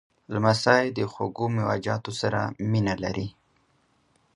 لمسی د خوږو میوهجاتو سره مینه لري.